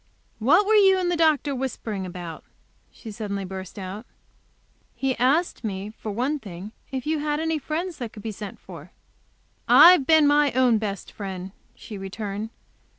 "What were you and the doctor whispering about?" she suddenly burst out. "He asked me, for one thing, if you had any friends that could be sent for." "I've been my own best friend," she returned.